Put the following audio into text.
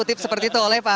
tosoepaera mab tran